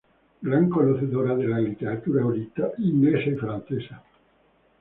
Gran conocedora de la literatura inglesa y francesa.